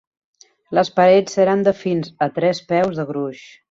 Les parets eren de fins a tres peus de gruix.